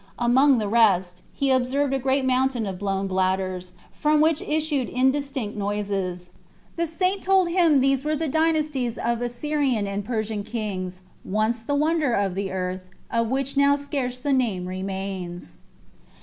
Among the rest, he observed a great mountain of blown bladders, from which issued indistinct noises. The saint told him these were the dynasties of Assyrian and Persian kings, once the wonder of the earth, of which now scarce the name remains.